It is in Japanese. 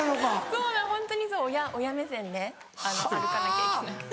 そうホントにそう親目線で歩かなきゃいけなくて。